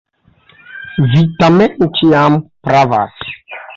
Vi, tamen, ĉiam pravas.